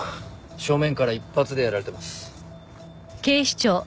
正面から一発でやられてます。